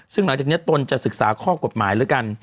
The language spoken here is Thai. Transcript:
ซึ่งหลังจากนี้ตนจะศึกษาข้อกฎหมายแล้วกัน